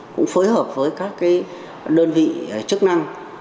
cũng phối hợp với các đơn vị chức năng